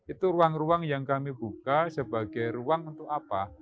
itu ruang ruang yang kami buka sebagai ruang untuk apa